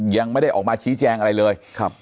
ยังไม่ได้ออกมาชี้แจงอะไรเลย